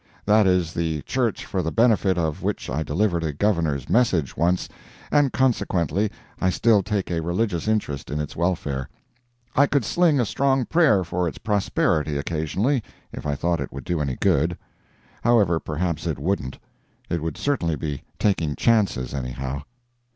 That is the church for the benefit of which I delivered a Governor's message once, and consequently I still take a religious interest in its welfare. I could sling a strong prayer for its prosperity, occasionally, if I thought it would do any good. However, perhaps it wouldn't—it would certainly be taking chances anyhow.